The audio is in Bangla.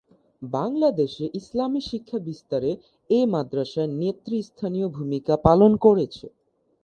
বাংলাদেশে ইসলামি শিক্ষা বিস্তারে এ মাদ্রাসা নেতৃস্থানীয় ভূমিকা পালন করেছে।